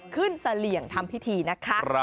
เสลี่ยงทำพิธีนะคะ